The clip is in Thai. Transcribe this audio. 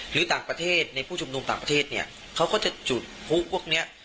หรือต่างประเทศในผู้ชุมนุมต่างประเทศเนี่ยเขาก็จะจุดพลุพวกเนี้ย